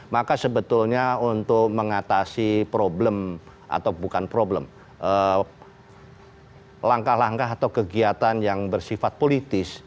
maka sebetulnya untuk mengatasi problem atau bukan problem langkah langkah atau kegiatan yang bersifat politis